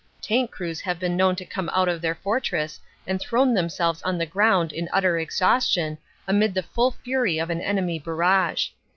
Tank crews have been known to come out of their fortress and thrown themselves on the ground in utter exhaustion amid the full fury of an enemy barrage.